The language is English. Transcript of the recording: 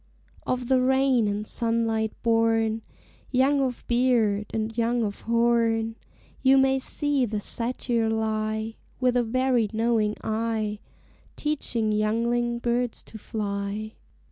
Of the rain and sunlight born, Young of beard and young of horn, You may see the satyr lie, With a very knowing eye, Teaching youngling birds to fly.